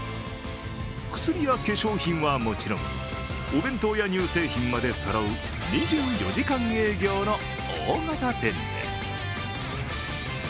薬や化粧品はもちろんお弁当や乳製品までそろう２４時間営業の大型店です。